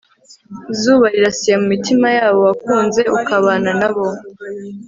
zuba rirasiye mu mitima y'abo wakunze ukabana nabo